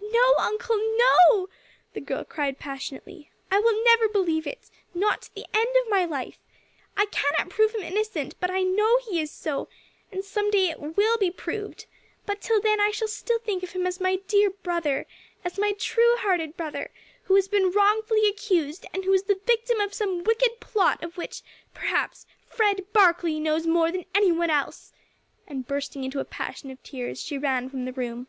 "No, uncle, no," the girl cried passionately, "I will never believe it, not to the end of my life. I cannot prove him innocent, but I know he is so, and some day it will be proved; but till then I shall still think of him as my dear brother, as my true hearted brother, who has been wrongfully accused, and who is the victim of some wicked plot of which, perhaps, Fred Barkley knows more than any one else," and, bursting into a passion of tears, she ran from the room.